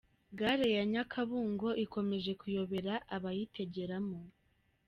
Gare ya Nyakabungo ikomeje kuyobera abayitegeramo